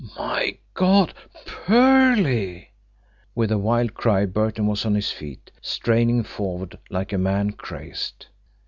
"My God PERLEY!" With a wild cry, Burton was on his feet, straining forward like a man crazed.